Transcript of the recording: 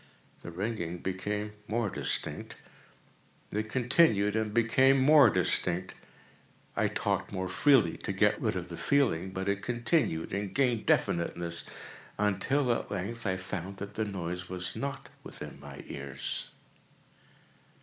The ringing became more distinct:—it continued and became more distinct: I talked more freely to get rid of the feeling: but it continued and gained definiteness—until, at length, I found that the noise was not within my ears.